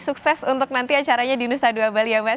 sukses untuk nanti acaranya di nusa dua bali ya mas